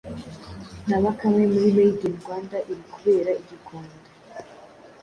na Bakame muri Made in Rwanda iri kubera i Gikondo